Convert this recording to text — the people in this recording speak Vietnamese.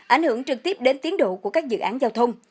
ảnh hưởng trực tiếp đến tiến độ của các dự án giao thông